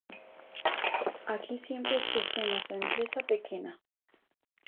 Aquí sempre esquecemos á empresa pequena.